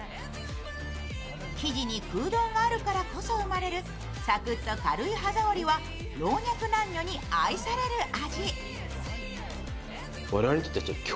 生地に空洞があるからこそ生まれるサクッと軽い歯触りは老若男女に愛される味。